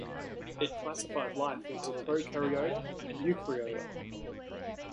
It classified life into Prokaryota and Eukaryota.